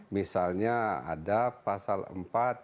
misalnya ada pasal empat